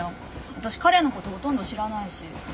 私彼の事ほとんど知らないし。